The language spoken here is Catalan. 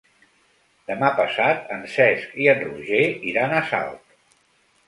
Demà passat en Cesc i en Roger iran a Salt.